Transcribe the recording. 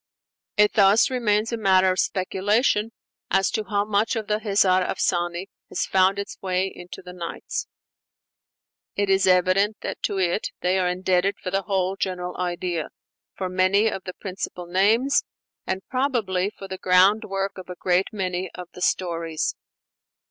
It thus remains a matter of speculation as to how much of the 'Hezar Afsane' has found its way into the 'Nights.' It is evident that to it they are indebted for the whole general idea, for many of the principal names, and probably for the groundwork of a great many of the stories.